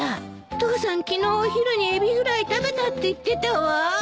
父さん昨日お昼にエビフライ食べたって言ってたわ。